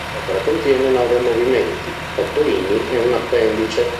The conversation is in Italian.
L'opera contiene nove movimenti: otto inni e una appendice.